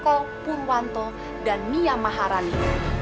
eko purwanto dan mia maharani